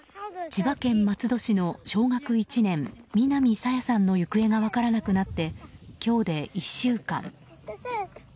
千葉県松戸市の小学１年南朝芽さんの行方が分からなくなって今日で１週間。